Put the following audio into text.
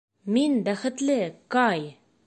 Мин бәхетле, Кай!